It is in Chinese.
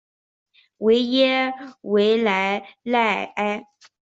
维耶维莱赖埃。